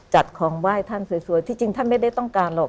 จัดของไหว้ท่านสวยที่จริงท่านไม่ได้ต้องการหรอก